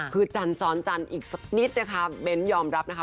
คือจันซ้อนจันทร์อีกสักนิดนะคะเบ้นยอมรับนะคะ